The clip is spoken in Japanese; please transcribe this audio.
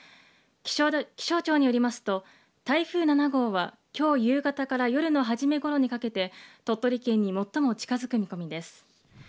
気象庁によりますと、台風７号は、きょう夕方から夜の初めごろにかけて、鳥取県に最も近づく見込みです。